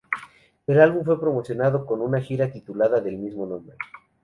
El álbum fue promocionado con una gira titulada del mismo nombre.